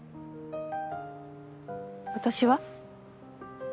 私は？